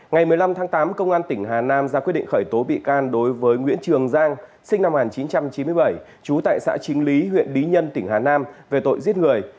ngày một mươi năm tháng tám công an tỉnh hà nam ra quyết định khởi tố bị can đối với nguyễn trường giang sinh năm một nghìn chín trăm chín mươi bảy trú tại xã chính lý huyện lý nhân tỉnh hà nam về tội giết người